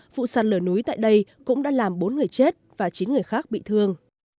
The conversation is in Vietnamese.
vụ sạt lở núi tại đây cũng đã làm bốn người chết và chín người khác bị thương